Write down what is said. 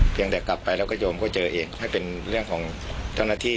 เวียงแดกกลับไปละก็โยมเจอเองให้เป็นเรื่องของท่านละที่